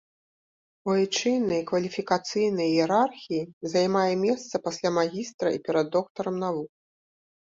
У айчыннай кваліфікацыйнай іерархіі займае месца пасля магістра і перад доктарам навук.